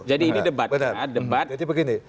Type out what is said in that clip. jadi ini debat